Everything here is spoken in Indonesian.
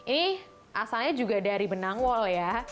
ini asalnya juga dari benang wall ya